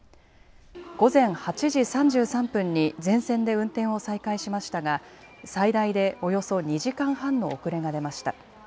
午前８時３３分に全線で運転を再開しましたが、最大でおよそ２時間半の遅れが出ました。